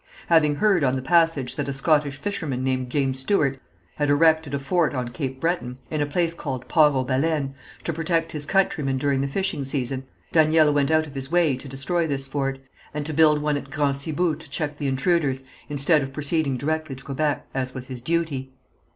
Having heard on the passage that a Scottish fisherman named James Stuart, had erected a fort on Cape Breton, in a place called Port aux Baleines, to protect his countrymen during the fishing season, Daniel went out of his way to destroy this fort, and to build one at Grand Cibou to check the intruders, instead of proceeding directly to Quebec, as was his duty.